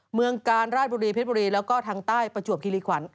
เมืองกาลราชบุรีเพชรบุรีแล้วก็ทางใต้ประจวบคิริขัน